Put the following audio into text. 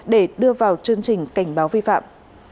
để đưa vào chương trình cảnh báo vi phạm